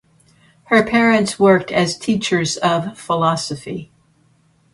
Her parents worked as teachers of philosophy.